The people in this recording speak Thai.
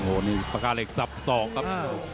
โอ้โหนี่ปากกาเหล็กสับสอกครับ